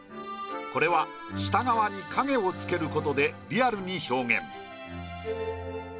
これは下側に影をつけることでリアルに表現。